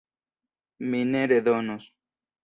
Mi ne redonos!